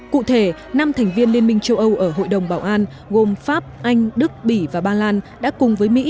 cụ thể năm thành viên liên minh châu âu ở hội đồng bảo an gồm pháp anh đức bỉ và ba lan đã cùng với mỹ